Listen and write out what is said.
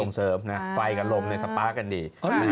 ส่งเสริมนะไฟกันลมสป๊ากันดี